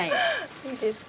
いいですか？